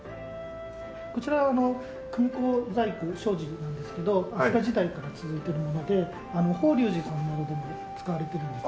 こちら組子細工障子なんですけど飛鳥時代から続いてるもので法隆寺さんなどでも使われてるんですね。